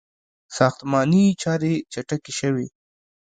• ساختماني چارې چټکې شوې.